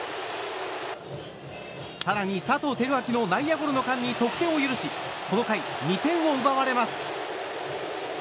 更に佐藤輝明の内野ゴロの間に得点を許しこの回２点を奪われます。